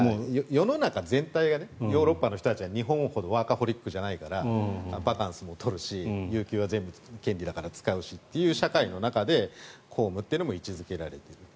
世の中全体がヨーロッパの人たちは日本ほどワーカホリックじゃないからバカンスも取るし有休は全部権利だから使うしっていう社会の中で公務も位置付けられている。